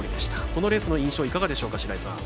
このレースの印象いかがでしょうか、白井さん。